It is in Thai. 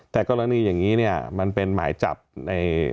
แต่กรณีอย่างนี้เนี่ยมันเป็นหมายจับใน